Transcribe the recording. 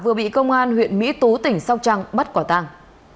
vừa bị công an huyện mỹ tú tỉnh sau trăng bắt quả tăng